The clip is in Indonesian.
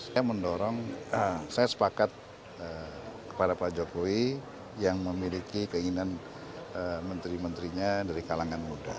saya mendorong saya sepakat kepada pak jokowi yang memiliki keinginan menteri menterinya dari kalangan muda